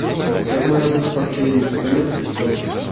Як мае быць з партфелем, з панятымі.